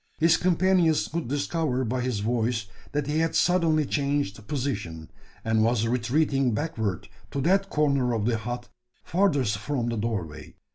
His companions could discover by his voice that he had suddenly changed position, and was retreating backward to that corner of the hut furthest from the doorway.